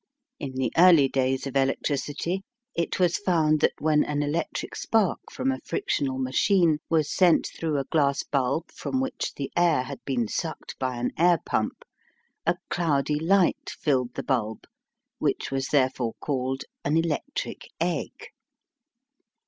In the early days of electricity it was found that when an electric spark from a frictional machine was sent through a glass bulb from which the air had been sucked by an air pump, a cloudy light filled the bulb, which was therefore called an "electric egg".